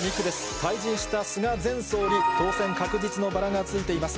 退陣した菅前総理、当選確実のバラがついています。